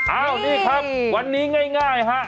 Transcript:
อ้าวนี่ครับวันนี้ง่ายฮะ